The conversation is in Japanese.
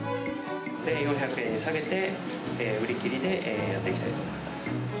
４００円に下げて、売り切りでやっていきたいと思います。